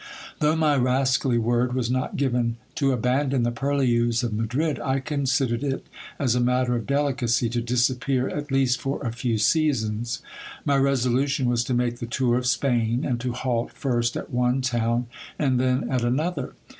Though my rascally word was not given to abandon the purlieus of Madrid, I considered it as a matter of delicacy to disappear, at least for a few seasons. My resolution was to make the tour of Spain, and to halt first at ore town and then at another.